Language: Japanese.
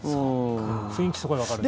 雰囲気、すごいわかるので。